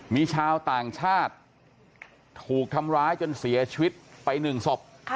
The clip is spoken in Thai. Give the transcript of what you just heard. มีชาวต่างชาติถูกทำร้ายจนเสียชีวิตไป๑ศพ